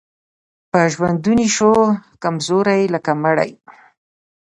په ژوندوني سو کمزوری لکه مړی